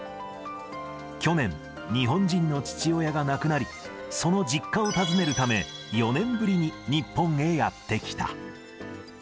去年、日本人の父親が亡くなり、その実家を訪ねるため、４年ぶりに日本へやって来た。